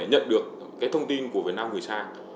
nhận được cái thông tin của việt nam người xa